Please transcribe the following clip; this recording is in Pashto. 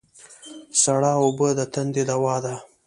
سړه اوبه د تندې دوا ده